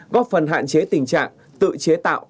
góp phần hạn chế tình trạng tự chế tạo